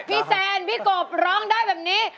แซนพี่กบร้องได้แบบนี้